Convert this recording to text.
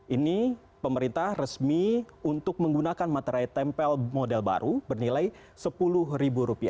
ini pemerintah resmi untuk menggunakan materai tempel model baru bernilai rp sepuluh